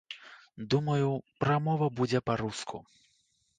Думаю, прамова будзе па-руску.